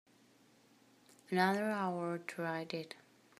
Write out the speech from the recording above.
Another hour to write it.